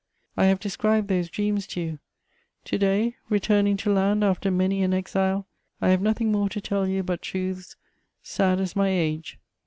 I have described those dreams to you: to day, returning to land after many an exile, I have nothing more to tell you but truths sad as my age.